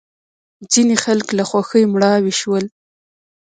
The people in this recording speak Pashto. ځینې خلک له خوښۍ مړاوې شول.